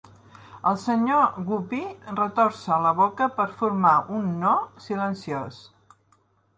El senyor Guppy retorça la boca per formar un "No!" silenciós.